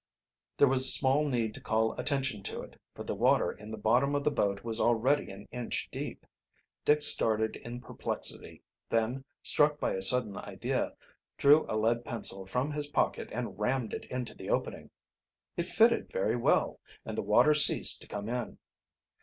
There was small need to call attention to it, for the water in the bottom of the boat was already an inch deep. Dick started in perplexity, then, struck by a sudden idea, drew a lead pencil from his pocket and rammed it into the opening. It fitted very well, and the water ceased, to come in.